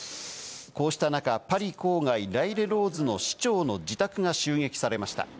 こうした中、パリ郊外ライレローズの市長の自宅が襲撃されました。